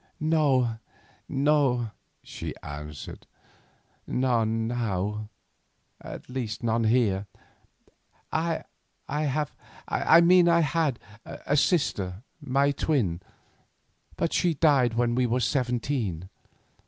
"No, no," she answered, "none now—at least, none here. I have—I mean I had—a sister, my twin, but she died when we were seventeen.